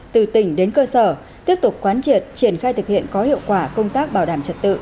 từ tỉnh đến cơ sở tiếp tục quán triệt triển khai thực hiện có hiệu quả công tác bảo đảm trật tự